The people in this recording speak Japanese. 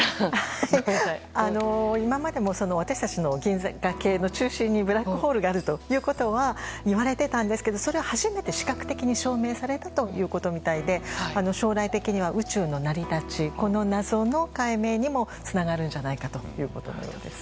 今までも私たちの銀河系の中心にブラックホールがあるとは言われていたんですがそれを初めて視覚的に証明されたということで将来的には宇宙の成り立ちこの謎の解明にもつながるんじゃないかということのようです。